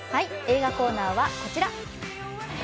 映画コーナーはこちら。